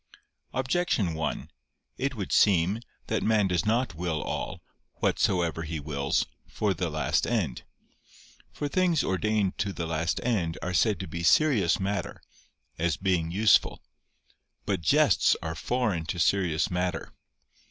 Objection 1: It would seem that man does not will all, whatsoever he wills, for the last end. For things ordained to the last end are said to be serious matter, as being useful. But jests are foreign to serious matter.